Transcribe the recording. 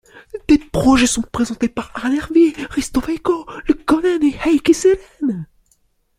Des projets sont présentés par Aarne Ervi, Risto-Veikko Luukkonen et Heikki Siren.